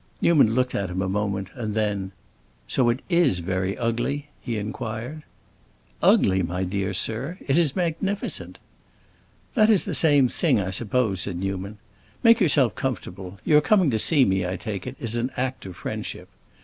Newman looked at him a moment, and then, "So it is very ugly?" he inquired. "Ugly, my dear sir? It is magnificent." "That is the same thing, I suppose," said Newman. "Make yourself comfortable. Your coming to see me, I take it, is an act of friendship.